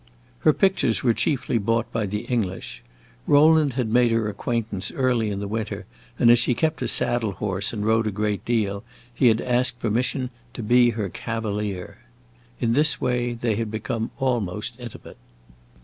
Her pictures were chiefly bought by the English. Rowland had made her acquaintance early in the winter, and as she kept a saddle horse and rode a great deal, he had asked permission to be her cavalier. In this way they had become almost intimate.